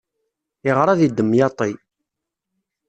Iɣṛa di demyaṭi.